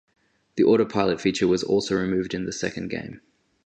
The auto pilot feature was also removed in the second game.